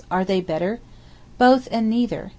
Are they better? Both and neither.